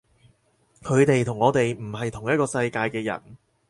佢哋同我哋唔係同一個世界嘅人